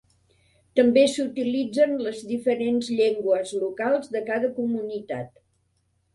També s'utilitzen les diferents llengües locals de cada comunitat.